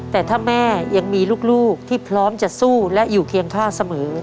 แต่ถ้าแม่ยังมีลูกที่พร้อมจะสู้และอยู่เคียงข้างเสมอ